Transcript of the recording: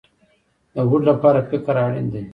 د هوډ لپاره فکر اړین دی